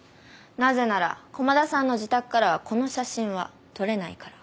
なぜなら駒田さんの自宅からはこの写真は撮れないから。